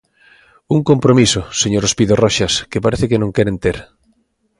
Un compromiso, señor Ospido Roxas, que parece que non queren ter.